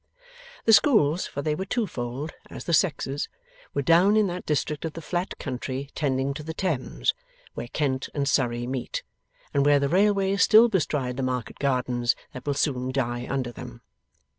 The schools for they were twofold, as the sexes were down in that district of the flat country tending to the Thames, where Kent and Surrey meet, and where the railways still bestride the market gardens that will soon die under them.